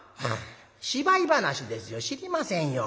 芝居噺ですよ知りませんよ。